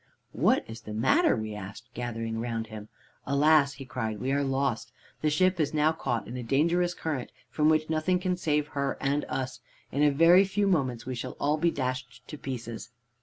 "'What is the matter?' we asked, gathering round him. "'Alas!' he cried, 'we are lost. The ship is now caught in a dangerous current from which nothing can save her and us. In a very few moments we shall all be dashed to pieces.'